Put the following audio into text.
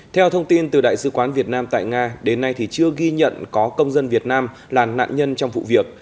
theo thông tin từ đại sứ quán việt nam tại nga đến nay thì chưa ghi nhận có công dân việt nam là nạn nhân trong vụ việc